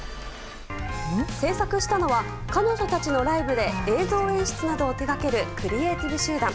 制作したのは彼女たちのライブで映像演出などを手掛けるクリエーティブ集団。